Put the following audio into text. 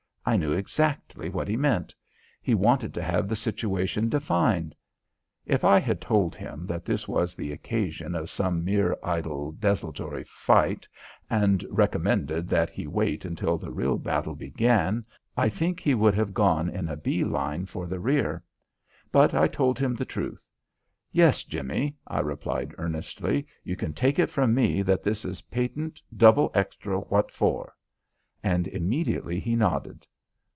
I knew exactly what he meant. He wanted to have the situation defined. If I had told him that this was the occasion of some mere idle desultory firing and recommended that he wait until the real battle began, I think he would have gone in a bee line for the rear. But I told him the truth. "Yes, Jimmie," I replied earnestly. "You can take it from me that this is patent, double extra what for." And immediately he nodded.